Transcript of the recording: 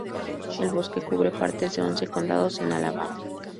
El bosque cubre partes de once condados en Alabama.